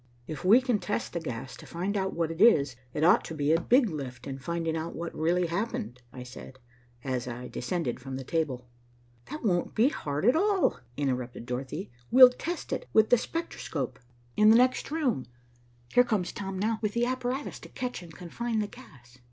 "If we can test the gas to find out what it is, it ought to be a big lift in finding out what really happened," I said, as I descended from the table. "That won't be hard at all," interrupted Dorothy. "We'll test it with the spectroscope in the next room. Here comes Tom now, with the apparatus to catch and confine the gas."